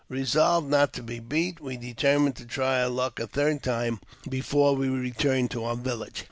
Kesolved not to be beat, we determined to try our luck a third time before we returned to our village.